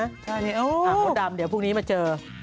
ใช่มดดำเดี๋ยวพรุ่งนี้มาเจอ